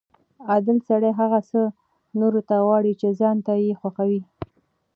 عادل سړی هغه څه نورو ته غواړي چې ځان ته یې خوښوي.